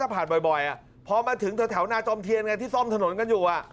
ผ่านบ่อยพอมาถึงแถวนาจอมเทียนไงที่ซ่อมถนนกันอยู่